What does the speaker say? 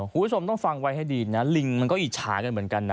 คุณผู้ชมต้องฟังไว้ให้ดีนะลิงมันก็อิจฉากันเหมือนกันนะ